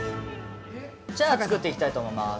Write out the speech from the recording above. ◆じゃあ、作っていきたいと思います。